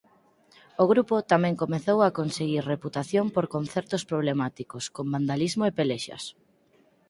O grupo tamén comezou a conseguir reputación por concertos problemáticos con vandalismo e pelexas.